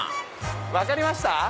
分かりました？